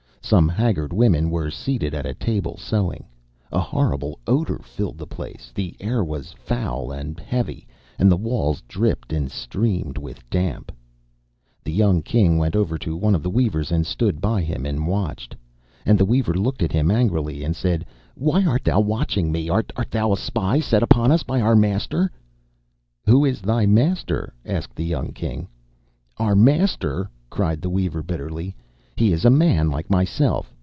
Some haggard women were seated at a table sewing. A horrible odour filled the place. The air was foul and heavy, and the walls dripped and streamed with damp. The young King went over to one of the weavers, and stood by him and watched him. And the weaver looked at him angrily, and said, 'Why art thou watching me? Art thou a spy set on us by our master?' 'Who is thy master?' asked the young King. 'Our master!' cried the weaver, bitterly. 'He is a man like myself.